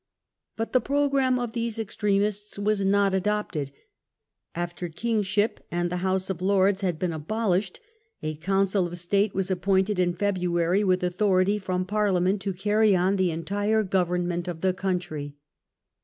But the programme of these Extrem ists was not adopted. After Kingship and the House of Lords had been abolished, a Council of State was appointed in February, with authority from Parliament to carry on the entire government of the country.